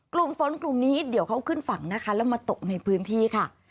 กลุ่มฝนกลุ่มนี้เดี๋ยวเขาขึ้นฝั่งนะคะแล้วมาตกในพื้นที่ค่ะ